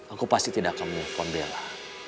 aku pasti tidak akan menelpon bella